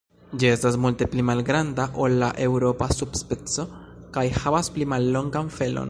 Ĝi estas multe pli malgranda ol la eŭropa sub-speco kaj havas pli mallongan felon.